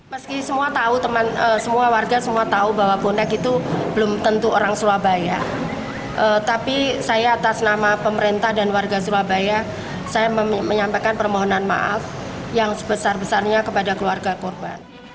meski semua tahu semua warga semua tahu bahwa bonek itu belum tentu orang surabaya tapi saya atas nama pemerintah dan warga surabaya saya menyampaikan permohonan maaf yang sebesar besarnya kepada keluarga korban